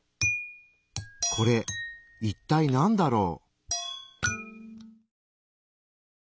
これいったいなんだろう？